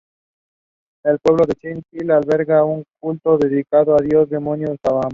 El pueblo de Silent Hill alberga un culto dedicado al dios-demonio Samael.